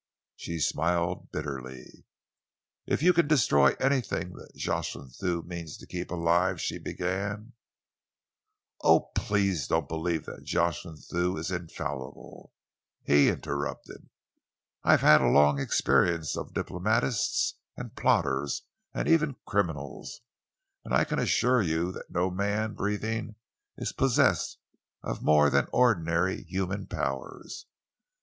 She smiled bitterly. "If you can destroy anything that Jocelyn Thew means to keep alive," she began "Oh, please don't believe that Jocelyn Thew is infallible," he interrupted. "I have had a long experience of diplomatists and plotters and even criminals, and I can assure you that no man breathing is possessed of more than ordinary human powers.